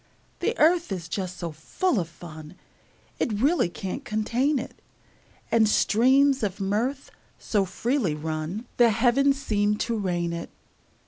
The earth is just so full of fun It really can't contain it; And streams of mirth so freely run The heavens seem to rain it.